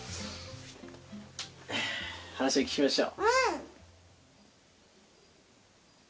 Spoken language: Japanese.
話を聞きましょう。